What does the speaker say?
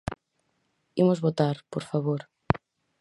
Imos votar, por favor.